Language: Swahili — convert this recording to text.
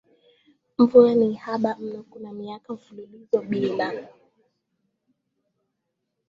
Mvua ni haba mno kuna miaka mfululizo bila